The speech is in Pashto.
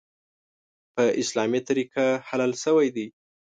په اسلامي طریقه حلال شوی دی .